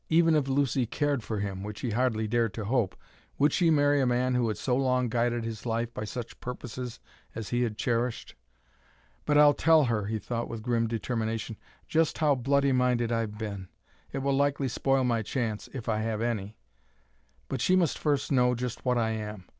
Even if Lucy cared for him, which he hardly dared to hope, would she marry a man who had so long guided his life by such purposes as he had cherished? "But I'll tell her," he thought with grim determination, "just how bloody minded I've been. It will likely spoil my chance if I have any but she must first know just what I am.